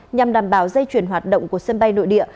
nhằm đảm bảo dây chuyển hoạt động của sân bay nội địa